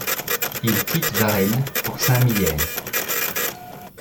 Il quitte Varennes pour Saint-Mihiel.